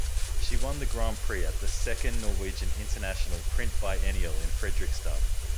She won the Grand Prix at the second Norwegian International Print Biennale in Fredrikstad.